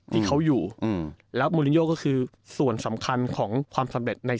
ที่เขาอยู่แล้วมูลินโยก็คือส่วนสำคัญของความสำเร็จใน